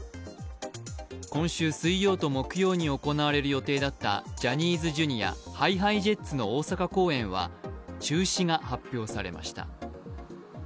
今週水曜と木曜に行われる予定だったジャニーズＪｒ．ＨｉＨｉＪｅｔｓの大阪公演は中止が発表されました。